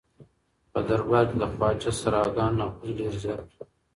په دربار کې د خواجه سراګانو نفوذ ډېر زیات و.